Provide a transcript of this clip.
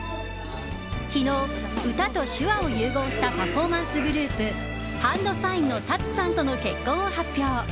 昨日、歌と手話を融合したパフォーマンスグループＨＡＮＤＳＩＧＮのＴＡＴＳＵさんとの結婚を発表。